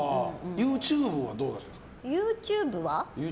ＹｏｕＴｕｂｅはどうなってるんですか？